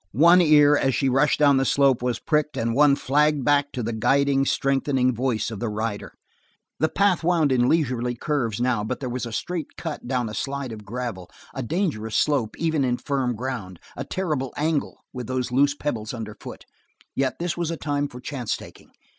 One ear, as she rushed down the slope, was pricked and one flagged back to the guiding, strengthening voice of the rider. The path wound in leisurely curves now, but there was a straight cut down a slide of gravel, a dangerous slope even in firm ground, a terrible angle with those loose pebbles underfoot. Yet this was a time for chance taking.